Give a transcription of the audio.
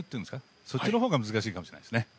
そっちのほうが難しいかもしれないですね。